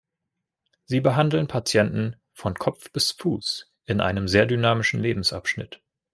Sie behandeln Patienten „von Kopf bis Fuß“ in einem sehr dynamischen Lebensabschnitt.